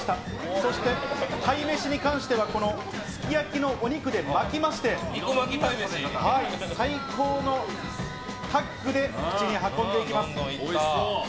そして鯛めしに関しては、このすき焼きのお肉で巻きまして、最高のタッグで口に運んでいきます。